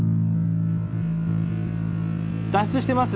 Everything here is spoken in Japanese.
脱出してます？